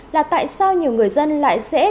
là tại sao nhiều người dân lại sẽ